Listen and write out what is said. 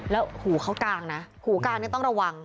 แล้วหูเขากางนะหูกลางนี่ต้องระวัง